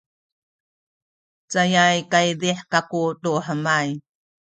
cayay kaydih kaku tu hemay